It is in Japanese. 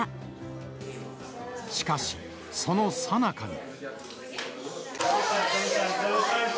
しかし、そのさなかに。